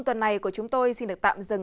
tuần này của chúng tôi xin được tạm dừng